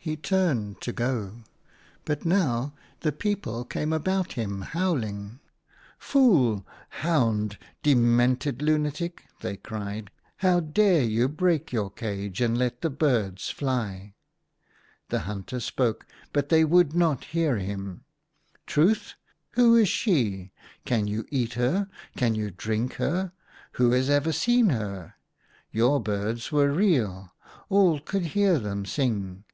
He turned to go, but now the people came about him, howling. Fool, hound, demented lunatic !" they cried. " How dared you break your cage and let the birds fly ?" The hunter spoke ; but they would not hear him. THE HUNTER. 37 " Truth ! who is she ? Can you eat her ? can you drink her ? Who has ever seen her ? Your birds were real : all could hear them sing